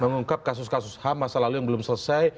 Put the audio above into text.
mengungkap kasus kasus ham masa lalu yang belum selesai